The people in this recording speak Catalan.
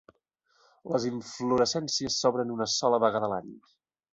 Les inflorescències s'obren una sola vegada a l'any.